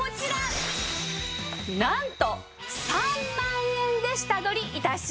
なんと３万円で下取り致します！